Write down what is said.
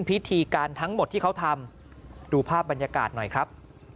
พิธีการทั้งหมดที่เขาทำดูภาพบรรยากาศหน่อยครับ